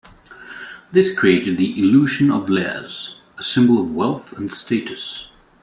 This created the illusion of layers, a symbol of wealth and status.